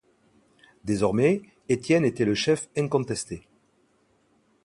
Désormais, Étienne était le chef incontesté.